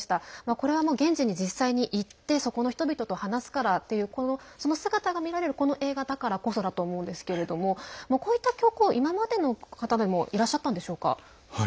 これはもう現地に行ってそこの人々と話すからというその姿が見られるこの映画だからこそだと思うんですけれどもこういった教皇今までの方でもいらっしゃったんでしょうか？